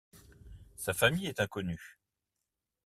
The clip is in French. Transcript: Sa famille est inconnue.